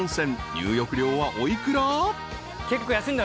入浴料はお幾ら？］